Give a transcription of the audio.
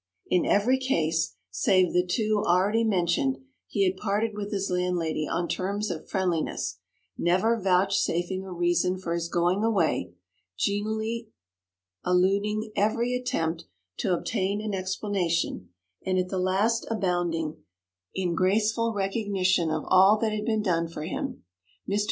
In every case, save the two already mentioned, he had parted with his landlady on terms of friendliness, never vouchsafing a reason for his going away, genially eluding every attempt to obtain an explanation, and at the last abounding in graceful recognition of all that had been done for him. Mr.